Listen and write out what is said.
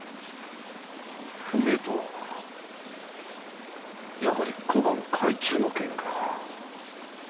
不明とはやはり小判改鋳の件か。